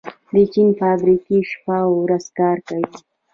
د چین فابریکې شپه او ورځ کار کوي.